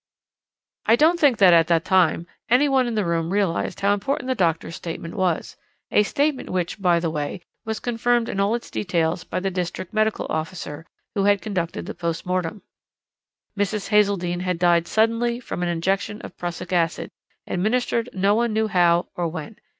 "I don't think that at the time any one in the room realized how important the doctor's statement was, a statement which, by the way, was confirmed in all its details by the district medical officer, who had conducted the postmortem. Mrs. Hazeldene had died suddenly from an injection of prussic acid, administered no one knew how or when.